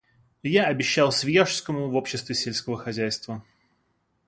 Я обещал Свияжскому в Общество сельского хозяйства.